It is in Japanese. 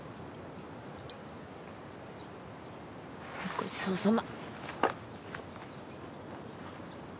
ごちそうさま。